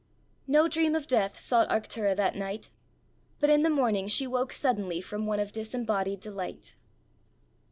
No dream of death sought Arctura that night, but in the morning she woke suddenly from one of disembodied delight.